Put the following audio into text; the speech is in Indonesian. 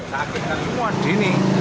sakitkan semua dini